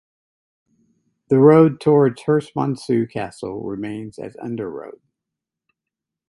The road towards Herstmonceux castle remains as Under Road.